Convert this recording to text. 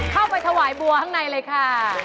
เข้าไปถวายบัวข้างในเลยค่ะ